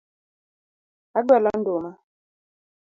Agwelo nduma.